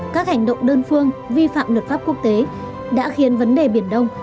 các hành động đơn phương vi phạm luật pháp quốc tế đã khiến vấn đề biển đông